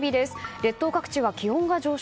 列島各地は気温が上昇。